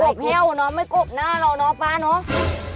บแห้วเนอะไม่กบหน้าเราเนาะป๊าเนาะ